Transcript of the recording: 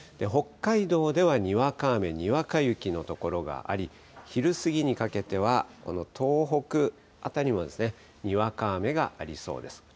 北海道ではにわか雨、にわか雪の所があり、昼過ぎにかけては、東北辺りもにわか雨がありそうです。